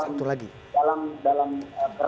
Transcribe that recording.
jadi tidak usah kuatir